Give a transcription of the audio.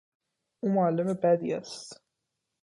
او معلم بدی است.